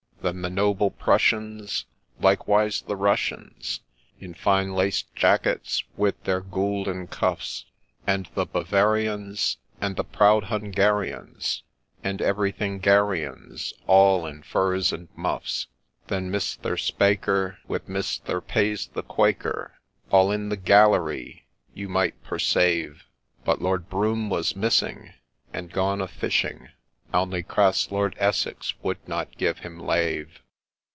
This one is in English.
Then the Noble Prussians, likewise the Russians, In fine laced jackets with their goulden cuffs, And the Bavarians, and the proud Hungarians, And Everythingarians all in furs and muffs. Then Misthur Spaker, with Misthur Pays the Quaker, All in the Gallery you might persave ; But Lord Brougham was missing, and gone a fishing, Ounly crass Lord Essex would not give him lave.